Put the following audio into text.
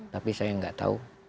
tapi saya tidak tahu